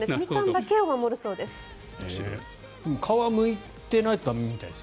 皮を剥いてないと駄目だそうです。